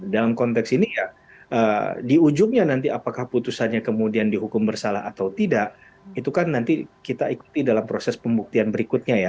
dalam konteks ini ya di ujungnya nanti apakah putusannya kemudian dihukum bersalah atau tidak itu kan nanti kita ikuti dalam proses pembuktian berikutnya ya